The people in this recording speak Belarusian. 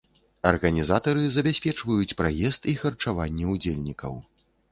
Арганізатары забяспечваюць праезд і харчаванне ўдзельнікаў.